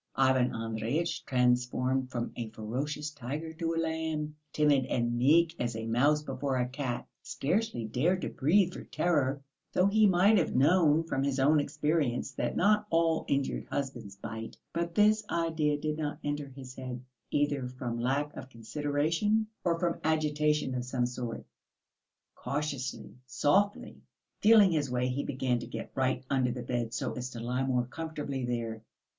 Ivan Andreyitch, transformed from a ferocious tiger to a lamb, timid and meek as a mouse before a cat, scarcely dared to breathe for terror, though he might have known from his own experience that not all injured husbands bite. But this idea did not enter his head, either from lack of consideration or from agitation of some sort. Cautiously, softly, feeling his way he began to get right under the bed so as to lie more comfortably there.